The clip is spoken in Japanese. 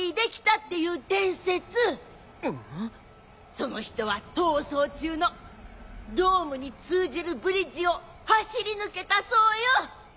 その人は逃走中のドームに通じるブリッジを走り抜けたそうよ！